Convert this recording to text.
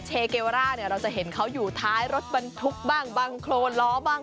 เชเกวร่าเนี่ยเราจะเห็นเขาอยู่ท้ายรถบรรทุกบ้างบางโครนล้อบ้าง